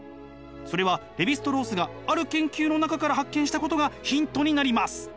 それはレヴィ＝ストロースがある研究の中から発見したことがヒントになります。